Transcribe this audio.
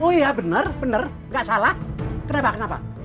oh iya benar benar nggak salah kenapa kenapa